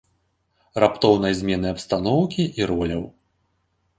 Раптоўнай зменай абстаноўкі і роляў.